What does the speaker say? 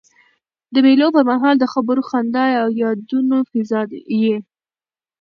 د مېلو پر مهال د خبرو، خندا او یادونو فضا يي.